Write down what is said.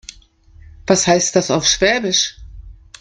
Was heißt das auf Schwäbisch?